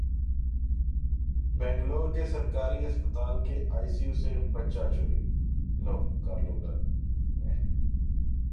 بنگلورو کے سرکاری اسپتال کے آئی سی یو سے بچہ چوری